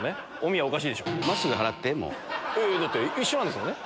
だって一緒なんですもんね